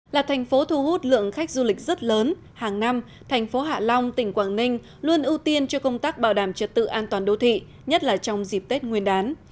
là thành phố thu hút lượng khách du lịch rất lớn hàng năm thành phố hạ long tỉnh quảng ninh luôn ưu tiên cho công tác bảo đảm trật tự an toàn đô thị nhất là trong dịp tết nguyên đán